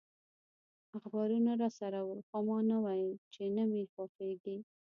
اخبارونه راسره ول، خو ما نه ویل چي نه مي خوښیږي.